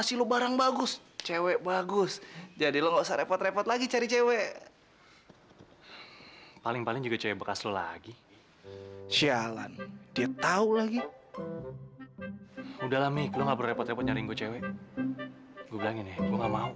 sampai jumpa di video selanjutnya